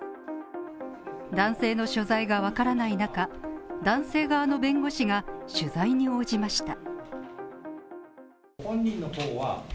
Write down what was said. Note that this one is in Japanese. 男性の所在がわからない中、男性側の弁護士が取材に応じました。